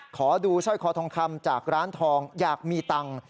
ขอดูสร้อยคอทองคำจากร้านทองอยากมีตังค์